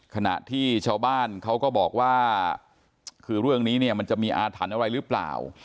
ขณะที่ชาวบ้านเขาก็บอกว่าคือเรื่องนี้เนี่ยมันจะมีอาถรรพ์อะไรหรือเปล่า